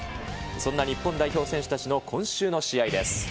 そんな日本代表選手たちの今週の試合です。